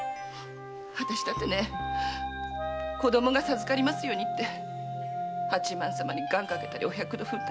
私だって子供が授かりますようにって八幡様に願かけたりお百度踏んだり。